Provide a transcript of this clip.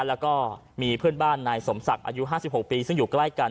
แล้วก็มีเพื่อนบ้านนายสมศักดิ์อายุ๕๖ปีซึ่งอยู่ใกล้กัน